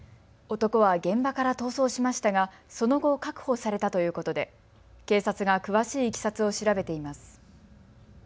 男は現場から逃走しましたが、その後、確保されたということで警察が詳しいいきさつを調べています。